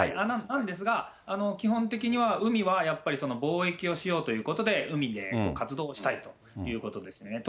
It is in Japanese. なんですが、基本的には、海はやっぱり貿易をしようということで、海で活動したいということですね。